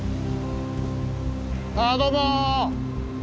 あどうも。